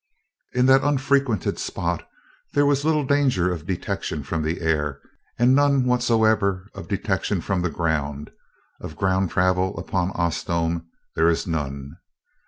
In that unfrequented spot there was little danger of detection from the air. And none whatsoever of detection from the ground of ground travel upon Osnome there is none.